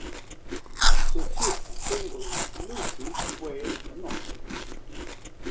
Su hit single "Lucy" fue No.